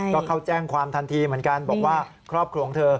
ก็เข้าแจ้งความทันทีเหมือนกันบอกว่าครอบครัวของเธอ